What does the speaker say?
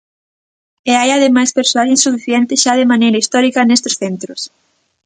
E hai ademais persoal insuficiente xa de maneira histórica nestes centros.